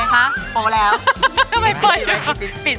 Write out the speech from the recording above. ฮะโป๋แล้วทำไมโป๋อย่างเงี้ย